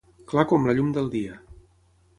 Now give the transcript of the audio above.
Clar com la llum del dia.